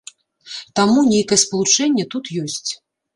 Таму нейкае спалучэнне тут ёсць.